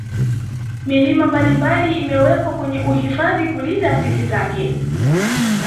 Milima mbalimbali imewekwa kwenye uhifadhi kulinda asili zake